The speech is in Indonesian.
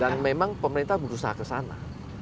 dan memang pemerintah berusaha kesana